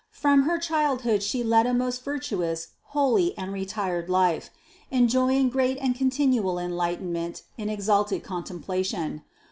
From her childhood she led a most virtuous, holy and retired life, enjoying great and continual en lightenment in exalted contemplation.